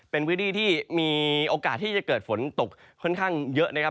เป็นพื้นที่ที่มีโอกาสที่จะเกิดฝนตกค่อนข้างเยอะนะครับ